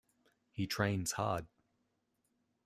He trains hard.